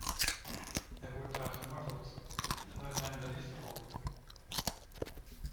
Er wordt daar gemarteld, daar zijn berichten over.